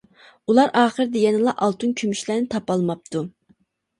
ئۇلار ئاخىردا يەنىلا ئالتۇن كۈمۈشلەرنى تاپالماپتۇ.